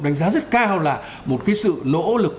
đánh giá rất cao là một cái sự nỗ lực